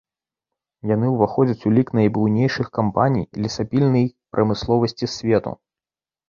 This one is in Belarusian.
Яны ўваходзяць у лік найбуйнейшых кампаній лесапільны прамысловасці свету.